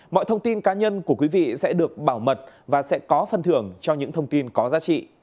mọi thông tin cá nhân của quý vị sẽ được bảo mật và sẽ có phần thưởng cho những thông tin có giá trị